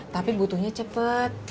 tapi butuhnya cepet